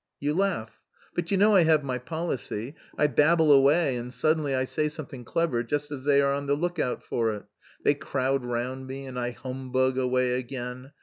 You laugh? But you know I have my policy; I babble away and suddenly I say something clever just as they are on the look out for it. They crowd round me and I humbug away again.